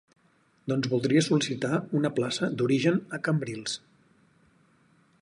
Doncs voldria sol·licitar una plaça d'origen a Cambrils.